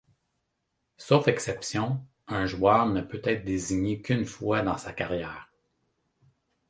Sauf exception, un joueur ne peut être désigné qu'une fois dans sa carrière.